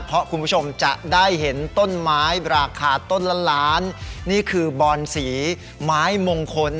เพราะคุณผู้ชมจะได้เห็นต้นไม้ราคาต้นละล้านนี่คือบอนสีไม้มงคล